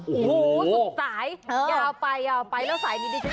โอ้โฮสุดสายอย่าเอาไปแล้วสายนี้เดี๋ยวซึ่งเคยคุ้น